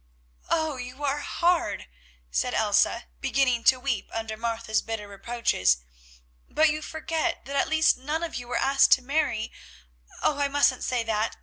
"Oh! you are hard," said Elsa, beginning to weep under Martha's bitter reproaches; "but you forget that at least none of you were asked to marry—oh! I mustn't say that.